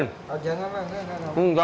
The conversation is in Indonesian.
jangan lah enak banget bu